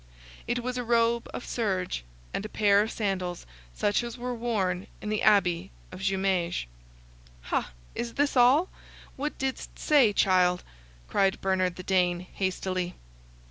It was a robe of serge, and a pair of sandals, such as were worn in the Abbey of Jumieges. "Ha! is this all? What didst say, child?" cried Bernard the Dane, hastily.